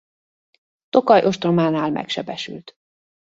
Tokaj ostrománál megsebesült.